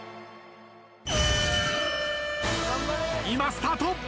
今スタート。